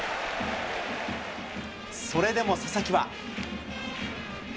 それでも佐々木は。